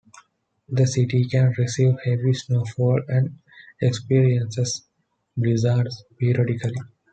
The city can receive heavy snowfall and experiences blizzards periodically.